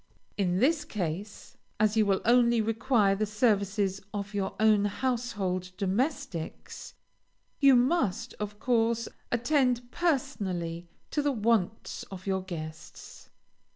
In this case, as you will only require the services of your own household domestics, you must, of course, attend personally to the wants of your guests.